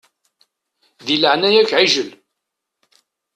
Di leɛnaya-k ɛijel!